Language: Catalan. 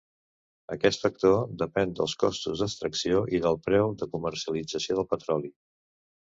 Aquest factor depèn dels costos d'extracció i del preu de comercialització del petroli.